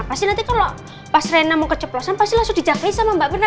pasti nanti kalo pas rena mau keceplosan pasti langsung dijagain sama mbak mirna